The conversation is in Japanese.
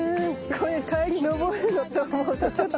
これ帰り上ると思うとちょっと。